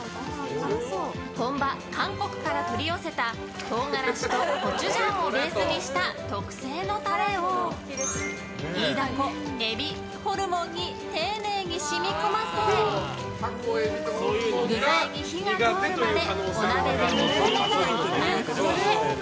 本場韓国から取り寄せた唐辛子とコチュジャンをベースにした特製のタレをイイダコ、エビ、ホルモンに丁寧に染み込ませ具材に火が通るまでお鍋で煮込めば完成！